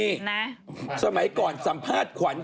นี่นะสมัยก่อนสัมภาษณ์ขวัญ